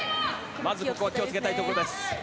まず、ここ気をつけたいところです。